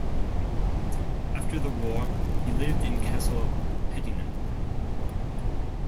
After the war he lived in Castle Hedingham.